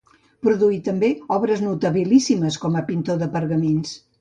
Produí també obres notabilíssimes com a pintor de pergamins.